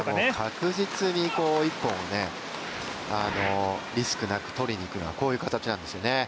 確実に１本をリスクなくとりにいくのはこういう形なんですよね。